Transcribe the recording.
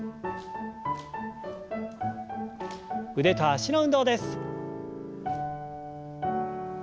腕と脚の運動です。